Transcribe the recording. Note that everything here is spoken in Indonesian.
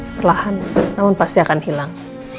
perlahan namun pasti akan hilang